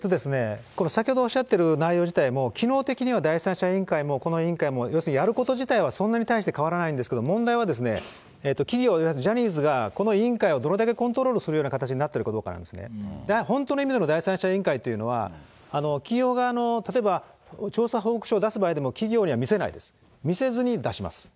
この先ほどおっしゃっている内容自体も、機能的には第三者委員会もこの委員会も、要するにやること自体は、そんなに大して変わらないんですけれども、問題はですね、企業、いわゆるジャニーズがこの委員会をどれだけコントロールするような形になってるかなんですね、本当の意味での第三者委員会というのは、企業側の、例えば調査報告書を出す場合にも企業には見せないです、見せずに出します。